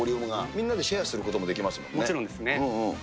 みんなでシェアすることもできまもちろんですね。